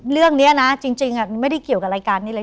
เรื่องนี้นะจริงไม่ได้เกี่ยวกับรายการนี้เลย